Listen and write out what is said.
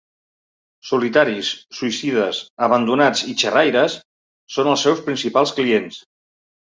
Solitaris, suïcides, abandonats i xerraires són els seus principals clients.